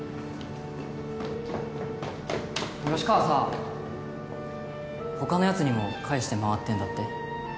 吉川さあ他のやつにも返して回ってんだって？